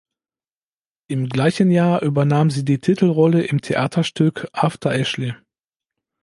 Im gleichen Jahr übernahm sie die Titelrolle im Theaterstück "After Ashley".